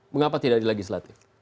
mengapa tidak di legislatif